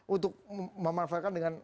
untuk memanfaatkan dengan